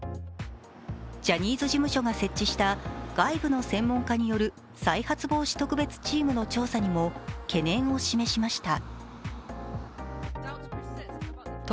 ジャニーズ事務所が設置した外部の専門家による再発防止特別チームの調査にも懸念を示しました。